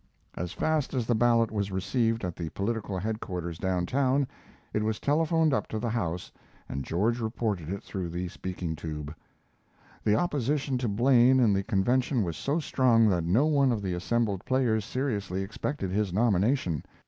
As fast as the ballot was received at the political headquarters down town, it was telephoned up to the house and George reported it through the speaking tube. The opposition to Blaine in the convention was so strong that no one of the assembled players seriously expected his nomination.